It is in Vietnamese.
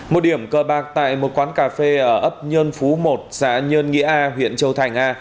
một điểm cờ bạc tại một quán cà phê ở ấp nhân phú một xã nhân nghĩa huyện châu thành a